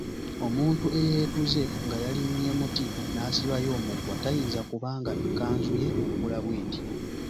Omuntu eyeetuze nga yalinnye muti n'asibayo omuguwa tayinza kuba nga ekkanzu ye etukula bweti.